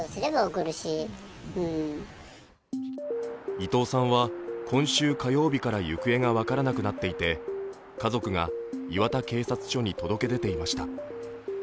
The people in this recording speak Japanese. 伊藤さんは今週火曜日から行方が分からなくなっていて、家族が磐田警察署に届け出ていました。